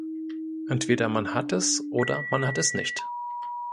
Entweder man hat es oder man hat es nicht.